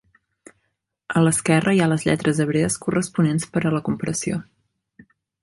A l'esquerra hi ha les lletres hebrees corresponents per a la comparació.